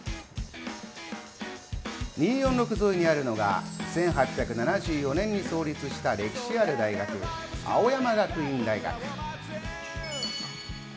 ２４６沿いにあるのが、１８７４年に創立した歴史ある大学、青山学院大学。